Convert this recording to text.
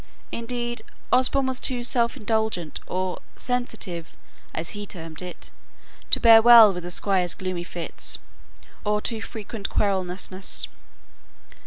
Indeed, Osborne was too self indulgent or "sensitive," as he termed it, to bear well with the Squire's gloomy fits, or too frequent querulousness.